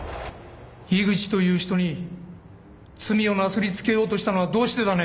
井口という人に罪をなすりつけようとしたのはどうしてだね？